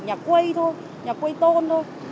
nhà quây thôi nhà quây tôn thôi